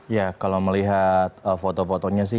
ya kalau melihat foto fotonya sih